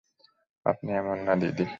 আপনি এমন না, দিদি!